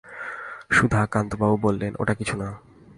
সুধাকান্তবাবু বললেন, ওটা কিছু না।